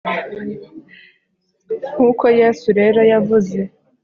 nk'uko yesu rero yavuze